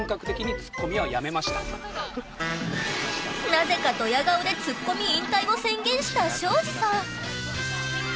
なぜかドヤ顔でツッコミ引退を宣言した庄司さん。